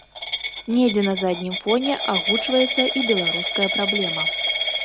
Недзе на заднім фоне агучваецца і беларуская праблема.